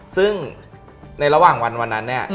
ซึ่งในระหว่างวันนั้น